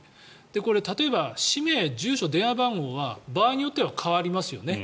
これ、例えば氏名、住所、電話番号は場合によっては変わりますよね。